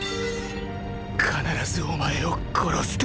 必ずお前を殺すと。